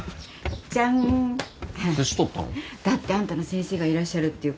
だってあんたの先生がいらっしゃるって言うから。